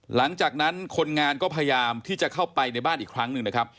หลังจากนั้นคนงานก็พยายามที่จะเข้าไปในบ้านอีกครั้งหนึ่งนะครับ